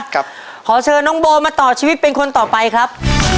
ขอเชิญน้องโบมาต่อชีวิตเป็นคนต่อไปครับ